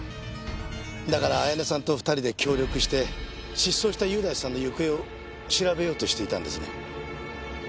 だから彩音さんと２人で協力して失踪した優大さんの行方を調べようとしていたんですね。